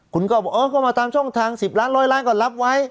คุณก็เอามาตามช่องทางสิบล้านร้อยล้านก็รับไว้